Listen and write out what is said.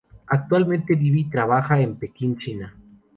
Actualmente vive y trabaja en Pekín, China.